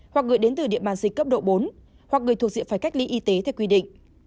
hoặc gửi đến từ địa bàn dịch cấp độ bốn hoặc người thuộc diện phải cách ly y tế theo quy định